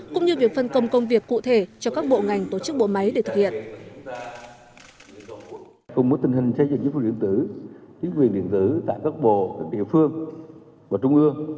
cũng như việc phân công công việc cụ thể cho các bộ ngành tổ chức bộ máy để thực hiện